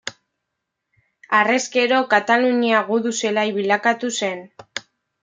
Harrezkero, Katalunia gudu-zelai bilakatu zen.